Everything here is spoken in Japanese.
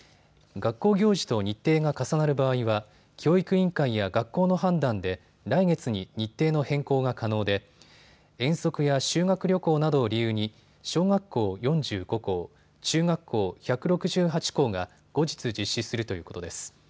学校行事と日程が重なる場合は教育委員会や学校の判断で来月に日程の変更が可能で遠足や修学旅行などを理由に小学校４５校、中学校１６８校が後日実施するということです。